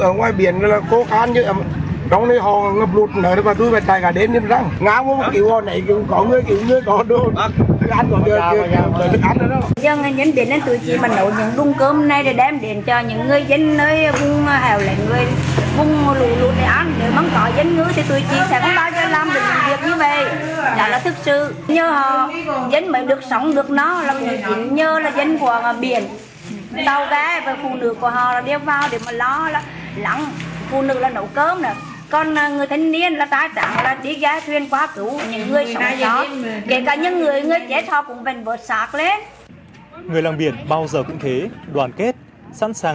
nơi vùng hẻo lạnh vùng lùi lùi để ăn để mắng cỏ dân ngư thì tụi chị sẽ không bao giờ làm được việc như vậy